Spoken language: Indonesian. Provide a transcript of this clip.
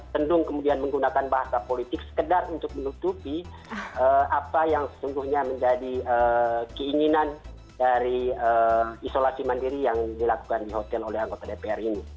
tendung kemudian menggunakan bahasa politik sekedar untuk menutupi apa yang sesungguhnya menjadi keinginan dari isolasi mandiri yang dilakukan di hotel oleh anggota dpr ini